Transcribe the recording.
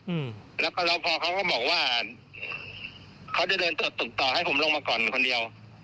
อืมแล้วก็แล้วพอเขาก็บอกว่าเขาจะเดินตรวจตึกต่อให้ผมลงมาก่อนคนเดียว